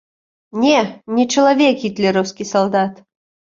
Не, не чалавек гітлераўскі салдат!